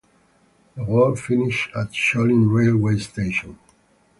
The walk finishes at Sholing railway station.